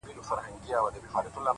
اوس د شپې سوي خوبونه زما بدن خوري!